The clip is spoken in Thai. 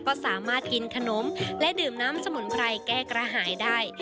ก็สามารถกินขนมและดื่มน้ำสมุนไพรแก้กระหายได้